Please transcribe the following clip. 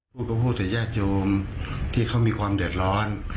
พูดก็พูดแต่ญาติโยมที่เขามีความเดือดร้อน